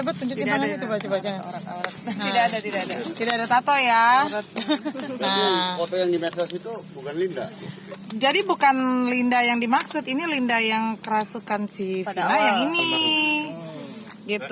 berarti ini sahabat sahabat lamanya dari ini